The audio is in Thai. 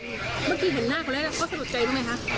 เมื่อกี้เห็นหน้ากันแหละพ่อสะดวกใจปะไหมครับ